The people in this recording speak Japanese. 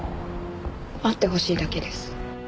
会ってほしいだけです。